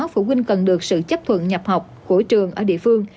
phụ huynh cần được sự chấp thuận nhập học của trường ở địa phương